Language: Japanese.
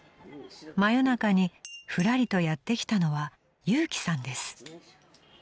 ［真夜中にふらりとやって来たのは勇輝さんです］